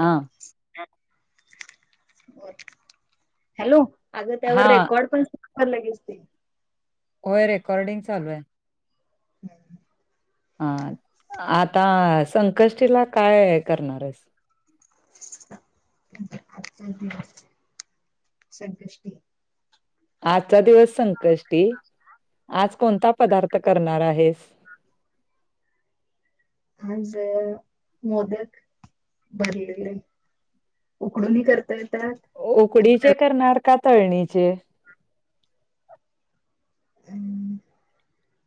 हा हॅलो अग त्यावर हा रेकॉर्ड पण भरलागेच ते होय रेकॉर्डिंग चालू आहे हम्म हा आता संकष्टीला काय करणार आहेस आजकाल दिवस सग गोष्टी आजचा दिवस संकष्टी आज कोणता पदार्थ करणार आहेस आज मोदक भरलेलेे उकडून करत उकडीचे करणार का तळणीचे अम्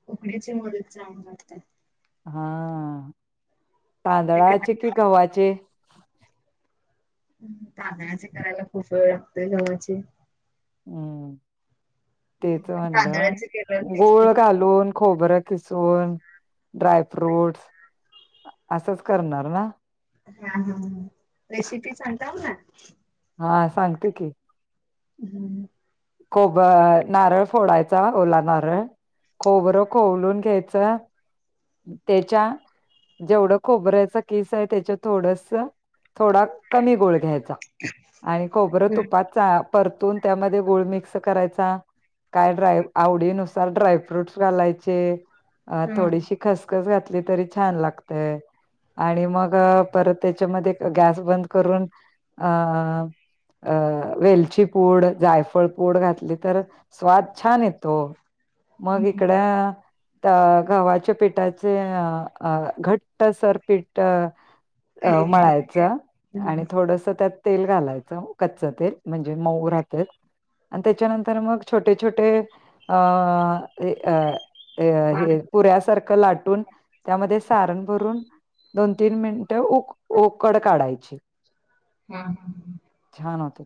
कोकणीची मदत जाऊन जतात हा ते तांदळाचे कि गव्हाचे तांदळाचे करायला खूफ वेळ लागतय गवा्हाचे हम्म तेच म्हणलं तांदळाचे केल्यावर टेस्ट गोळ घालून खोबर किसून ड्राय फ्रूटस असंच करणार ना हा हा ह रेसिपी सांताव ना हा सांगते की हम्म खब नारळ फोडायचा ओला नारळ खो बरं खोलून घ्यायचं त्याच्या जेवढं खोबऱ्याचा केस आहे त्याच्या थोड थोडा कमी गोळ घ्यायचा आणि खबरं तुपात परतून त्यामध्ये गोळ मिक्स करायचा काय ड्राय आवडीनुसार ड्रायफ्रूटस घालायचे हम्म थोडीशीिक सकस घातली तरी छान लागतय आणि मग परत त्याच्यामध्ये गॅस बंद करून अ अ वेलची पूड जायफळ पूड घातली तर स्वाद छान येतो मग इकड हम्म गावाच्या पेट घट्ट सरपीट अ करून घ्या. मळायचं हम्म आणि थोडस त्यात तेल घालायचं कच्च तेल म्हणजे मऊ राहतात आणि त्याच्यानंतर मग छोटे छोटे अ अ अ हे पाणी पुऱ्यासारखं लाटून त्यामध्ये सारण भरून दोन तीन मिनिटे उ उओकड काढायची हम ह छान होत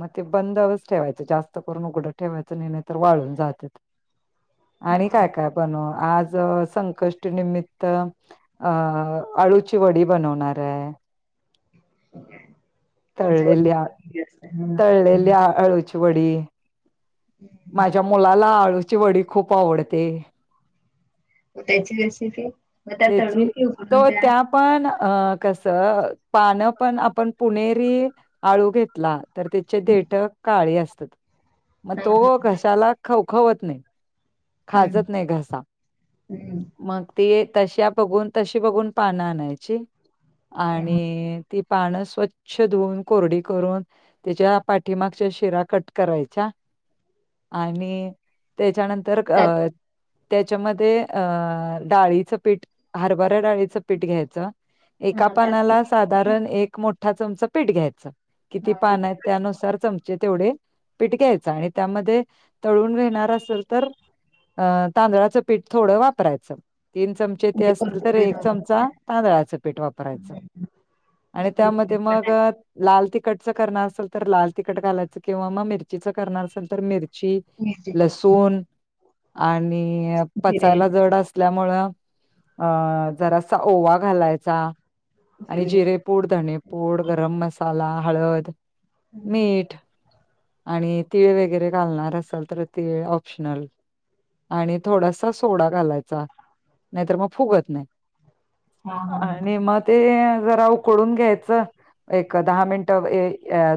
मग ते बंदच ठेवायच जास्त करून उघड ठेवायचं नाही नाही तर वाळून जात आणि हा काय काय पण आज संकष्टीनमित्त अ आळूची वडी बनवणार आहे हो तळलेली आ तलेलेली हम्म. आ अळूचपडी माझ्या मुलाला आळूची वडी खूप आवडते हो त्याची रेसिपी मग त्या त्याची तळून कि त उकडून त्या पण अ कसं पानं पण आपण पुणेरी आळू घेतला तर त्याचे देठ काळी असतात मग हा हा तो घशाला खवखवत नाही हम्म खाजत नाही घसा हम्म मग ते तशा बघून तशी बघून पानं आणायची हा. आणि ती पानं स्वच्छ धुवून कोरडी करून त्याच्या पाठीमागच्या शिरा कट करायचा आणि त्याच्यानंतर त्यात अ त्याच्यामध्ये अ डाळीचं पीठ हरभऱ्या डाळीचं पीठ घ्यायचं एका हा त्यात पानाला किती हा, साधारण एक मोठा चमचा पीठ घ्यायचं किती आणि पान आहेत ते त्यानुसार चम तेवढे पिटक्यायच आणि त्यामध्ये तळून घेणार असेल तर अं तांदळाचं पीठ थोडं वापरायचं तीन चमचे ते म्हणजे असतील तर कुरकुरीत एक वगैरे चमचा तांदळाचं पीठ वापरायचं म्हणजे आणि कुरकुरीत त्यामध्ये मग बनायचे लाल त तिकट च करणार असेल तर लाल तिखट घायचं किंवा मग मिरचीच करणार असेल तर मिर मिरची ठेचा लसूण आणि जिरे पचायला जड असल्यामु अ जरासा ओवा घालायचा आणि जिरे जिरेपूड धणेपूड गरम मसाला हळद हम्म. मीठ आणि तिळ वगैरे घालणार असाल तर तिळ ऑप्शनल आणि थोडासा सोडा घालायचा नाहीतर मग फुगत नाही हा हा हा आणि मग ते जरा उकडून घ्यायचं एक दहा मिनिटं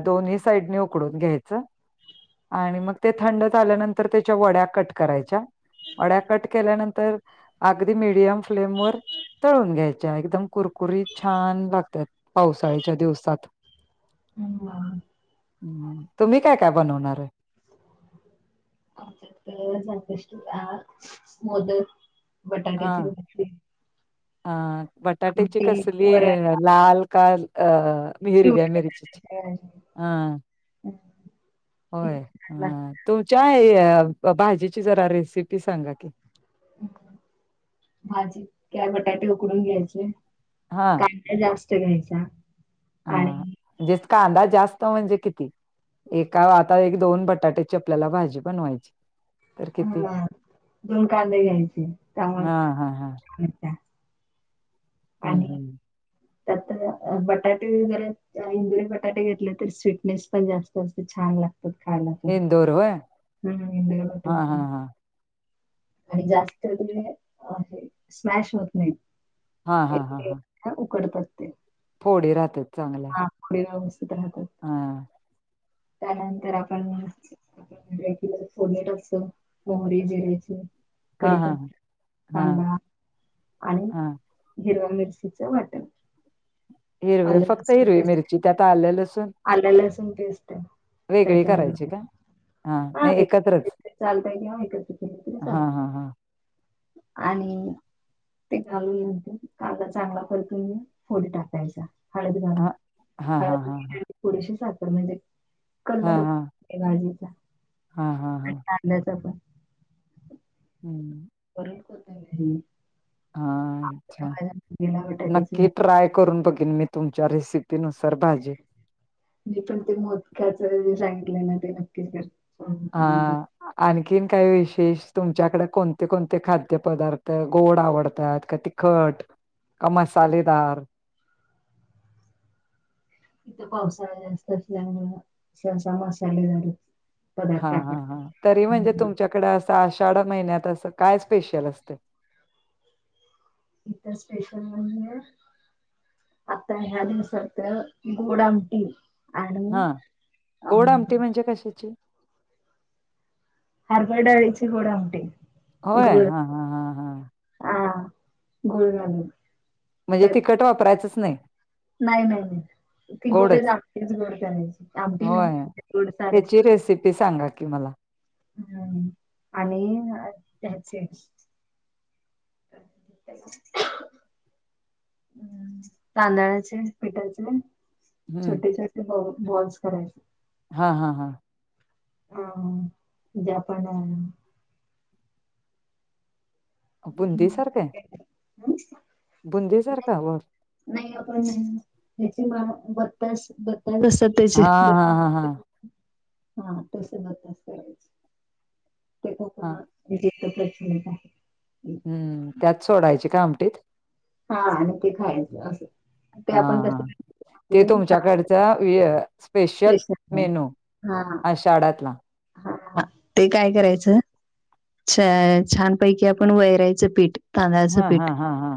दोनही साईडनी उकडून घ्यायचं आणि मग ते थंडत आल्यानंतर त्याच्या वड्या कट करायच्या अड्या कट केल्यानंतर अगदी मडियम फ्लेम वर तळून घ्यायच्या एकदम कुरकु ककुरी छान लागतात पावसाळ्याच्या दिवसात ह हम्म तुम्ही काय काय बनवणार आहे आ जतेष्ट मोद हा बटाट्याची अ बटाट्याची आमटी, कसली वरण, लाल काल अ मीर व्या पिवळ्या मरीचच बटाट्याची भाजी. हम हं. ते होय किती छान अ लागते. तूच्या भाजीची जरा रेसिपी सांगा की भाजी क बटाटे उकडून घ्यायचे कांदा जास्त घ्यायचा आणि हाजे कांदा जास्त म्हणजे किती एका आता एक दोन बटाट्याची आपल्याला भाजी बनवायची तर किती? ह दोन कांदे घ्यायचे हा तमग हा हा हम्म हम्म त्यात बटाटे वगैरे इंदुरी बटाटे घेतले तर स्वीटनेस पण जास्त असते छान लागते एन दोर व हम् दय वाट यत आणि जास्त ज स्मॅश होत नाही हा हा हा हा ते. फोडी राहतात चांगल्या हां. पुढे व्यवस्थित राहतात. हा त्यानंतर आपण म्ह कि पुणे अस मोहरी जि क हा हा हा तांदळा आणि हा हिरवा मि च वाटल अ हिरवी फक्त हिरवी मिरची त्यात आलं लसूण अ ल अस वेगळी करायची का हा नाही एकत्रच चालतंय किंवा एकत्र केलं तरी चालत हा हा हा आणि ते घालूनंत काला चांगला फकून फोडी टाकायचा हळद घार हा हा हा हळद हा हा पुोडीशे सखर मध्ये हा कलर भाजीचा हा हा हा कांद्याचा पण हम्म परड करता हा अच्छा बटाट्याची नक्की भाजी ट्राय करून बघेन मी तुमच्या रेसिपी नुसार मी पण ते मोदकाचे सांगितलंय ना ते नक्कीच कर हा आणि आण काही विशेष तुमच्याकडे कोणते कोणते खाद्य पदार्थ गोड आवडतात का तिख का मसालेेदार इथ पावसाळा जास्त असल्यामुळे अस असा मसालेदारत हा हा हा तरी म्हणजे तुमच्याकडें असं महिन्यात अस काय स्पेशल असते इथ स्पेशल नाही आहे आता या्या दिवसरत गोड अम्टी हा गोड आमटी म्हणजे कशाची डाळीचे होडं आमट होय हा हा हा हा गुरग म्हणजे तखट वापरायचंच नाही नाही नाही नाही ती गोडच आच गोड त्यां नाही आमट नाही गोड सारच ते सांगा कि हम् आणि त्याचे [inaudible] तांदळाचे पिठाचे हम्म छोटी छोटी ब बॉनस करायचे हा हा हा ह जापान बुंदी सारखं हम् बुंदे सारखा वर पण त्याचे मा बतास बच असतात त्याचे हा हा हा हा हा तस बच करायच हा तेे प्रचलित आहे. हम्म त्यात सोडायची का आमटीत. हा आणि ते खायचं असं ते हा आपण कस. हा ते तुमच्याकडच स्पेशल मेनू हा आषाढातला. ते काय करायचं. छ छानपैकी आपण वैरायचं पीठ. तांदळाचं हा, हा, पीठ हा, हा.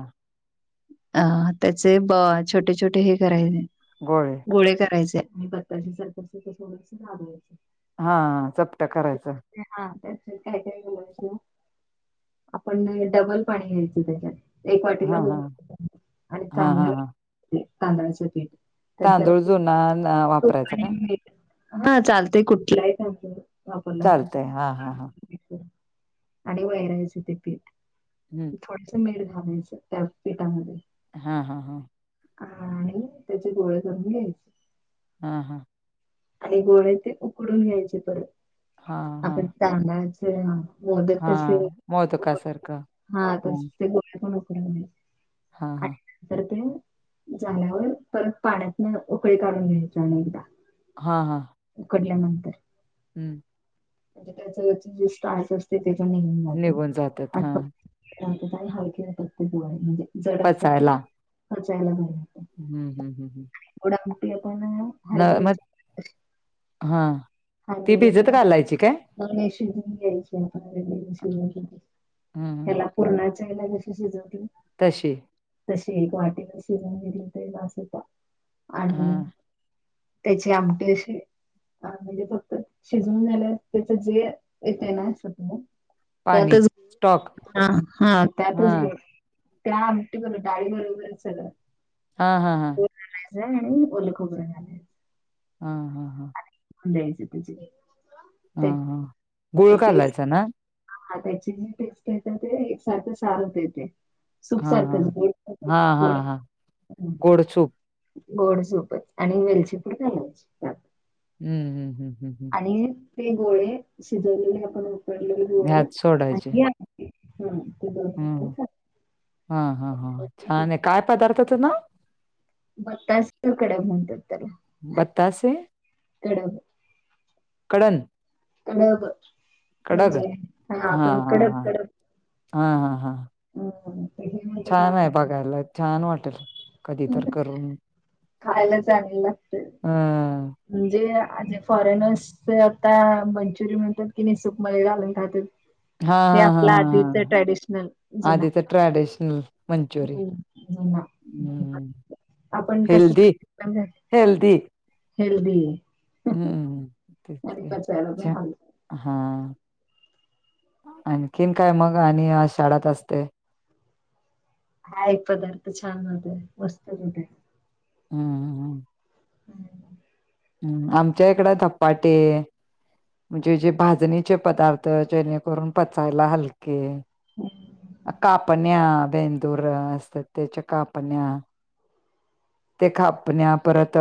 अ त्याचे ब छोटे-छोटे हे करायचे, गोळे करायचे. आणि पत्ताश सारख हा चपटा करायचं. त्यात काय काय घालायचं आपण डबल पाणी घ्यायचं त्याच्यात. एक वाटीला हा हा दीन आणि हा हा हा चांगलं तांदळाच पीठ. त्यात तांदूळ जुना न तूप वापरायचा पाणी का मीठ. हा चालतय कुठलाही. वापरला तरी चालतय हा, हा, हा. चालतंय आणि वैरायचं ते पीठ हम्म थोडस मीठ. घालायचं त्या पीठामध्ये. हा, हा, हा. आणि त्याचे गोळे कररून घ्यायचे. हा, हा. आणि गोळे ते उकडून घ्यायचे परत, हा हा आपण तांदळाचे. मोदक हा कशे उकडतो, मोदकासारखं हा तशे ते गोळे पण उकडायचे. हा हा आणि नंतर कणी. झाल्यावर परत पाण्यातन उकळी काढून घ्यायचा अनेकदा. हा, हा. उकडल्यानंतर. हम्म. म्हणजे त्याच जे स्टास असते, त्याच्या निघून जाते निघून जातात आणि हा फक्त. आणि हलके येतात ते गो म्हणजे जड असतात ते पचायला पचायला भारी. हम्म, हम्म, हम्म, हम्. पण हरबऱ्याची. हा ती हरबऱ्याची भिजत भाजी घालायची काय चांगली शिजवून घ्याची. हम्म हेला पूर्णाच्या हेला कस शिजवून घेतो. तशी. तशी एक वाटीला शिजवून घेतली तरी बास होत्या हा आणि. त्याचे आमटी अशी. हा म्हणजे फक्त शिजवून झाल्या त्याच जे येतय ना. पाणी त्यातच स्टॉक हा हा त्यातच घे. त्या आमटी बरोबर डाळी बरोबर सगळ. हा, हा, हा. जिर आणि ओलखोबर घालायचं. हा, हा, हा. ल ज तज [unintelligible] हा हा गुळ घालायचा ना. हा त्याची जी टेस्ट येत ते एकसारखं सारं होतय ते. सूप हा हा सारखच हा हा गोड हा हाय. गोड सूप गोड सुपच आणि वेलचीपूड घालायची त्यात. हम्म, हम्म, हम्म. हम्म आणि ते गोळे शिजवलेले आपण उकडलेले गोळे ह्यात सोडायचे आणि आमटी हम्म. हम्म हा हा हा छान आहे काय पदार्थते ना बत्ास कडब म्हंततला बत्तासे कडब कडण कडब म्हणजे हा आपण कडब कडप हा हा हा हे म्हणतात छान आहे ना बघायला छान वाटेल कधी तर करून खायला लेललं हम म्हणजे म्हजे फॉरेनर्स आता मंचुरियन म्हणतात कि निसूप मध्ये घालून खातात हे हा हा आपल्या हा आधीच हा ट्रॅडिशनल ज ना आधीच ट्रॅडिशनल मंचुरियन आपण कस हेल्दी हेल्दी हेदी हम्म पण तेचच्छ हलकं हा आणखीन काय मग आणि आ शाळात असते हा एक पदार्थ छान होतेय वस्तूठ हम्म हम् हम् हम्म आमच्या इकड धपाटी म्हणजे जे भाजणीचे पदार्थ जेणेकरून पचायला हलके कापण्या बेंदूर असतात त्याच्या कापण्या ते खापण्या परत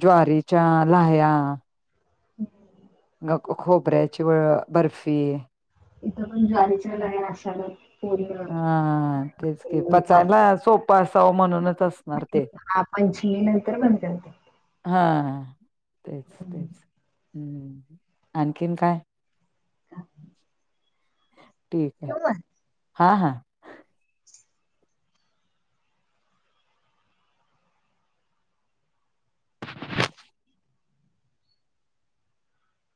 ज्वारीच्या लया हम्म ग खोबऱ्याची वळ बर्फी इथं पण ज्वारीचल आहे नाशाल हा तेच क पचायला वापरतात. सोप असाव म्हणूनच असणार ते नतर बणते हा तेच तेच ह् आणखीन काय ठीक आहे ठेवू मग? हा हा